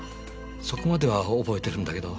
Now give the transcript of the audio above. そこまでは覚えてるんだけど。